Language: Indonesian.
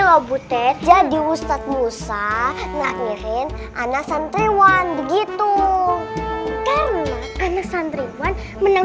lo butet jadi ustadz musa ngak mirin anak santriwan begitu karena anak santriwan menang